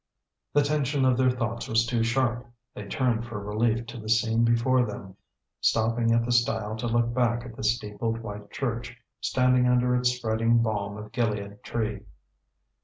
The tension of their thoughts was too sharp; they turned for relief to the scene before them, stopping at the stile to look back at the steepled white church, standing under its spreading balm of Gilead tree.